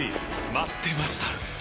待ってました！